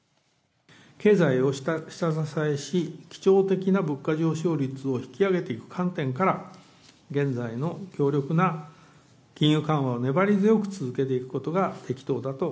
経済を下支えし、基調的な物価上昇率を引き上げていく観点から、現在の強力な金融緩和を粘り強く続けていくことが適当だと。